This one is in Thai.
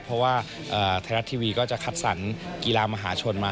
เพราะว่าไทยรัฐทีวีก็จะคัดสรรกีฬามหาชนมา